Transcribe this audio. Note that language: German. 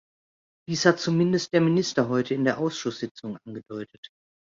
Dies hat zumindest der Minister heute in der Ausschusssitzung angedeutet.